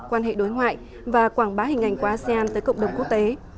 quan hệ đối ngoại và quảng bá hình ảnh của asean tới cộng đồng quốc tế